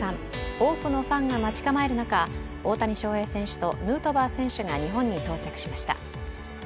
多くのファンが待ち構える中大谷翔平選手とヌートバー選手が日本に到着しました。